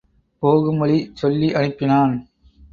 போகும்வழி சொல்லி அனுப்பினான்.